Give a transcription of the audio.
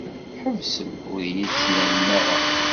Ḥebsem ur yi-d-ttnalem ara.